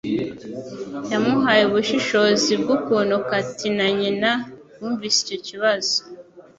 Yamuhaye ubushishozi bw'ukuntu Katie na nyina bumvise icyo kibazo.